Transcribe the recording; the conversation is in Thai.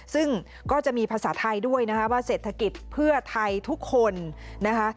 ซึ่งก็จะมีภาษาไทยด้วยนะคะว่าเศรษฐกิจเพื่อไทยทุกคนนะคะ